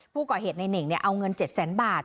ผู้ก่อเหตุในเน่งเอาเงิน๗แสนบาท